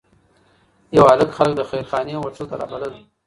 یو هلک خلک د خیرخانې هوټل ته رابلل.